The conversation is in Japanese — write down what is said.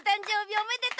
おめでと！